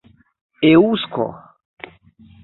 eŭsko